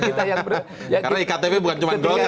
karena iktp bukan cuma golkar ya